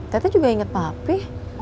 tete juga inget papi